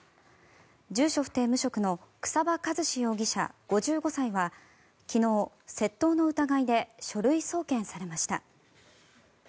住所不定・無職の草場一志容疑者、５５歳は昨日、窃盗の疑いで書類送検されました。